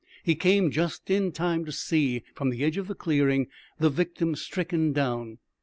He came just in time to see, from the edge of the clearing, the victim stricken down.